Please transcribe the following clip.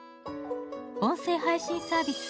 音声配信サービス